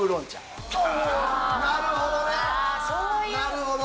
なるほどね！